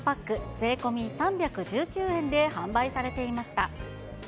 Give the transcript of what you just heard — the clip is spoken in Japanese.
税込み３１９円で販売されていました。